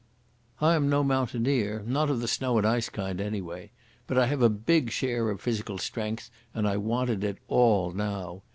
I am no mountaineer—not of the snow and ice kind, anyway—but I have a big share of physical strength and I wanted it all now.